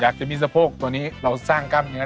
จะมีสะโพกตัวนี้เราสร้างกล้ามเนื้อ